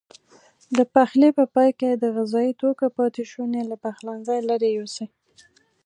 د پخلي په پای کې د غذايي توکو پاتې شونې له پخلنځي لیرې یوسئ.